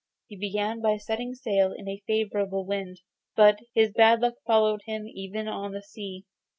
He began by setting sail in a favourable wind, but his bad luck followed him even on the sea.